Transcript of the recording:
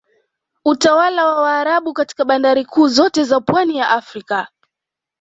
Utawala wa Waarabu katika bandari kuu zote za pwani ya Afrika